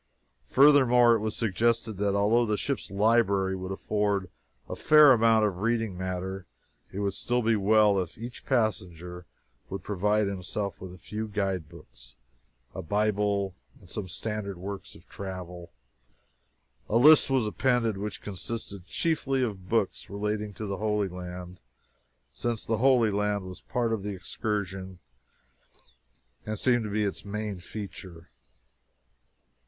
Furthermore, it was suggested that although the ship's library would afford a fair amount of reading matter, it would still be well if each passenger would provide himself with a few guidebooks, a Bible, and some standard works of travel. A list was appended, which consisted chiefly of books relating to the Holy Land, since the Holy Land was part of the excursion and seemed to be its main feature.